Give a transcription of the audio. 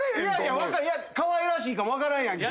かわいらしいかも分からんやん。